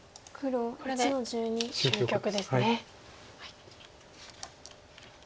これで終局ですね。